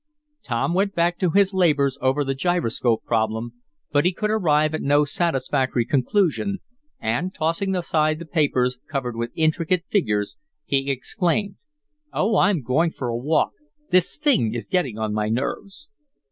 Tom went back to his labors over the gyroscope problem, but he could arrive at no satisfactory conclusion, and, tossing aside the papers, covered with intricate figures, he exclaimed: "Oh, I'm going for a walk! This thing is getting on my nerves."